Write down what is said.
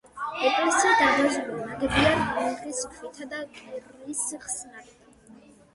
ეკლესია დარბაზულია, ნაგებია რიყის ქვითა და კირის ხსნარით.